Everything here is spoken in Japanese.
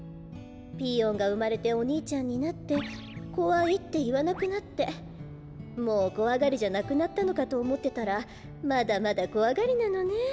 ピーヨンがうまれておにいちゃんになって「こわい」っていわなくなってもうこわがりじゃなくなったのかとおもってたらまだまだこわがりなのねえ。